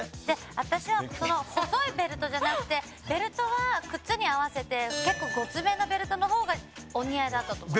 私はその細いベルトじゃなくてベルトは靴に合わせて結構ごつめのベルトの方がお似合いだったと思います。